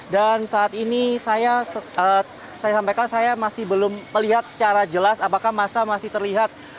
dan saat ini saya masih belum melihat secara jelas apakah masa masih terlihat